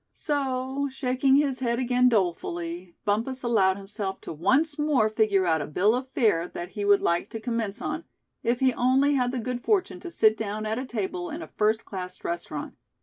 So, shaking his head again dolefully, Bumpus allowed himself to once more figure out a bill of fare that he would like to commence on, if he only had the good fortune to sit down at a table in a first class restaurant.